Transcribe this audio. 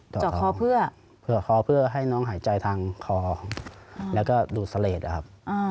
เจาะคอเพื่อคอเพื่อให้น้องหายใจทางคอแล้วก็ดูดเสลดอะครับ